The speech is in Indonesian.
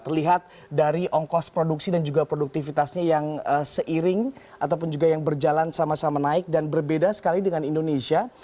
terlihat dari ongkos produksi dan juga produktivitasnya yang seiring ataupun juga yang berjalan sama sama naik dan berbeda sekali dengan indonesia